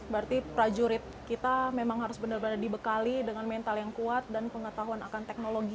berarti prajurit kita memang harus benar benar dibekali dengan mental yang kuat dan pengetahuan akan teknologi